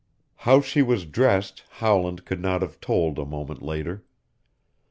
How she was dressed Howland could not have told a moment later.